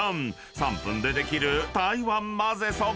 ３分でできる台湾まぜそば］